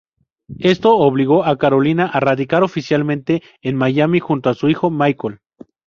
Esto obligó a Carolina a radicar oficialmente en Miami junto a su hijo Michael.